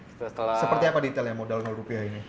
seperti apa detailnya modal rupiah ini